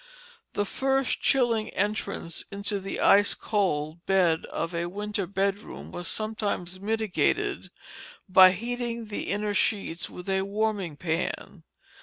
The first chilling entrance into the ice cold bed of a winter bedroom was sometimes mitigated by heating the inner sheets with a warming pan.